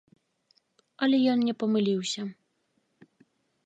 Але ён не памыліўся.